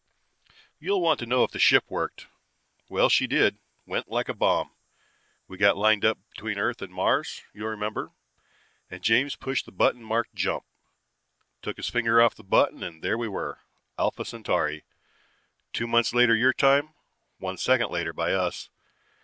"You'll want to know if the ship worked. Well, she did. Went like a bomb. We got lined up between Earth and Mars, you'll remember, and James pushed the button marked 'Jump'. Took his finger off the button and there we were: Alpha Centauri. Two months later your time, one second later by us.